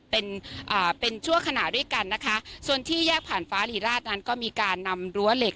เป็นอ่าเป็นชั่วขณะด้วยกันนะคะส่วนที่แยกผ่านฟ้ารีราชนั้นก็มีการนำรั้วเหล็ก